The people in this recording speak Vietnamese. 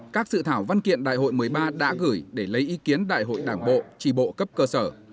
các sự thảo văn kiện đại hội một mươi ba đã gửi để lấy ý kiến đại hội đảng bộ trì bộ cấp cơ sở